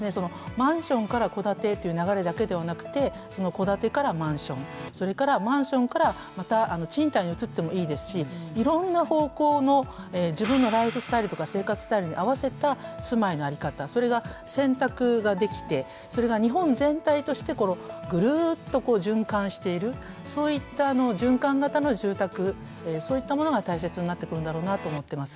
マンションから戸建てという流れだけではなくて戸建てからマンションそれからマンションからまた賃貸に移ってもいいですしいろんな方向の自分のライフスタイルとか生活スタイルに合わせた住まいの在り方それが選択ができてそれが日本全体としてぐるっと循環しているそういった循環型の住宅そういったものが大切になってくるんだろうなと思ってます。